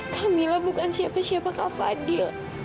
kak mila bukan siapa siapa kak fadhil